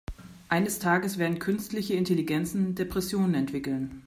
Eines Tages werden künstliche Intelligenzen Depressionen entwickeln.